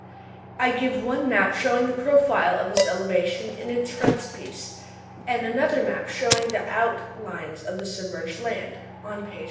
I give one map showing the profile of this elevation in the frontispiece, and another map, showing the outlines of the submerged land, on page 47.